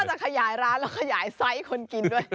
จะขยายร้านแล้วขยายไซส์คนกินด้วย